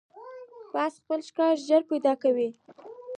باز خپل ښکار ژر پیدا کوي